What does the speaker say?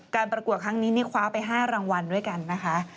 ประกวดครั้งนี้นี่คว้าไป๕รางวัลด้วยกันนะคะ